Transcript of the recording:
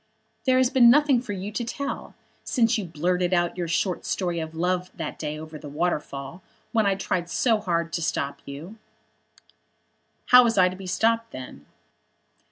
"There has been nothing for you to tell, since you blurted out your short story of love that day over the waterfall, when I tried so hard to stop you." "How was I to be stopped then?"